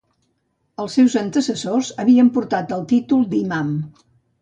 Els seus antecessors havien portat el títol d'imam.